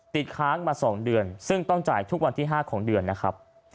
ติดค้างมา๒เดือนซึ่งต้องจ่ายทุกวันที่๕ของเดือนนะครับ